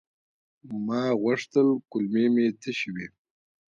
ما غوښتل کولمې مې تشي وي.